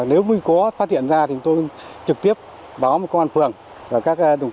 nếu mới có phát hiện ra thì tôi trực tiếp báo công an phường